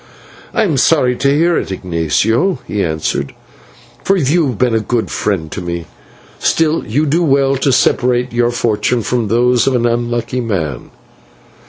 "I am sorry to hear it, Ignatio," he answered, "for you have been a good friend to me. Still, you do well to separate your fortunes from those of an unlucky man."